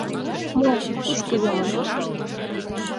Мо, кушко йомын...